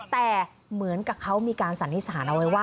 แต่เหมือนกับเขามีการสรรพิสารเอาไว้ว่าครับ